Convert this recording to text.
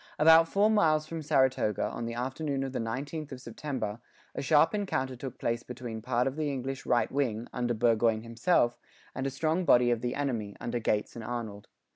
About four miles from Saratoga, on the afternoon of the 19th of September, a sharp encounter took place between part of the English right wing, under Burgoyne himself, and a strong body of the enemy, under Gates and Arnold.